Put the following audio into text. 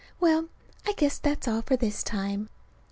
Well, I guess that's all for this time.